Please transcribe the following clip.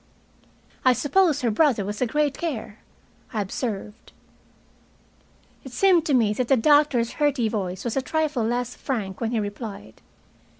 "I suppose her brother was a great care," I observed. It seemed to me that the doctor's hearty voice was a trifle less frank when he replied.